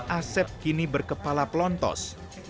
aset kini berkepala pelontos